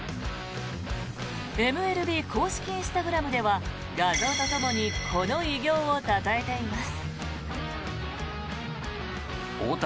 ＭＬＢ公式インスタグラムでは画像とともにこの偉業をたたえています。